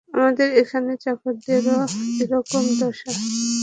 আমাদের এখানে চাকরদেরও এরকম দশা।